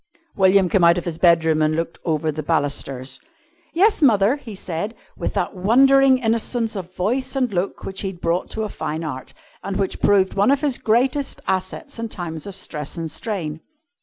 William came out of his bedroom and looked over the balusters. "Yes, mother," he said, with that wondering innocence of voice and look which he had brought to a fine art, and which proved one of his greatest assets in times of stress and strain.